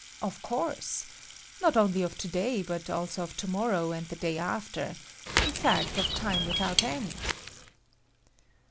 "Of course. Not only of To day but also of tomorrow and the day after; in fact, of time without end."